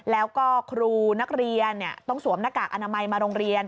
แล้วก็ครูนักเรียนต้องสวมหน้ากากอนามัยมาโรงเรียน